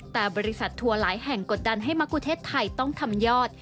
แต่บริษัททัวร์หลายแห่งกดดันให้มะกุเทศไทยต้องทำยอด